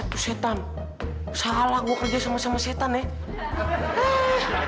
situ setan salah gue kerja sama sama setan ya